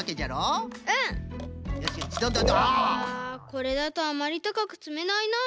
これだとあまりたかくつめないな。